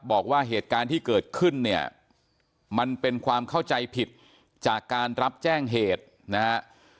บอกว่าเหตุการณ์ที่เกิดขึ้นเนี่ยมันเป็นความเข้าใจผิดจากการรับแจ้งเหตุนะฮะ